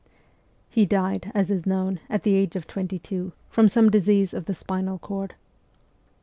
' He died, as is known, at the age of twenty two, from some disease of the spinal cord.